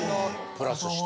プラスして。